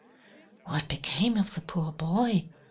"What became of the poor boy?"